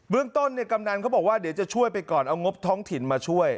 เรื่องต้นกำนันเขาบอกว่าเดี๋ยวจะช่วยไปก่อนเอางบท้องถิ่นมาช่วย